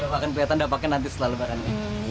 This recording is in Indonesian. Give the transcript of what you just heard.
bagaimana perlihatan dapatkan nanti setelah lebarannya